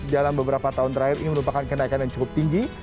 dalam beberapa tahun terakhir ini merupakan kenaikan yang cukup tinggi